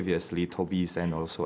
dan mengambil hal hal yang saya suka